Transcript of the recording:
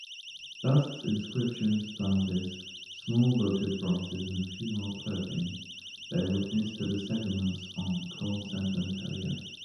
Busts, inscriptions, vases, small votive bronzes and funeral clothing bear witness to the settlements on the Col Sant’Elia.